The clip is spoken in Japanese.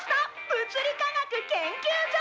『物理科学研究所』！」。